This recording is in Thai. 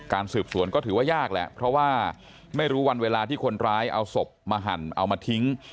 สืบสวนก็ถือว่ายากแหละเพราะว่าไม่รู้วันเวลาที่คนร้ายเอาศพมาหั่นเอามาทิ้ง